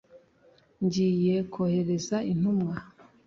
ngiye kohereza intumwa